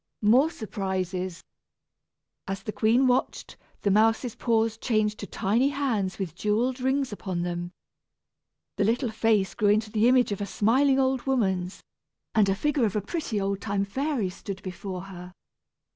More surprises! As the queen watched, the mouse's paws changed to tiny hands with jewelled rings upon them. The little face grew into the image of a smiling old woman's, and a figure of a pretty old time fairy stood before her.